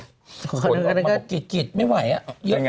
อาจจะในกรุณก่อนที่แบบกิจไม่ไหว